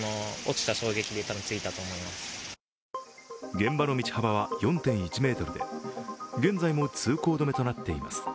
現場の道幅は４．１ｍで現在も通行止めとなっています。